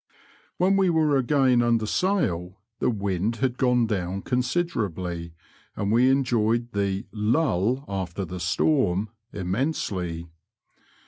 When we were again under sail, the wind had gone down considerably, and we enjoyed the ''lull after the storm" inmiensely.